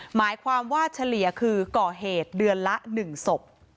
หมายความว่าเฉลี่ยคือก่อเหตุเดือนละ๑ศพ